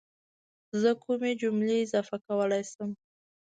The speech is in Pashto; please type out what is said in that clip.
زه کومې جملې اضافه کولی شم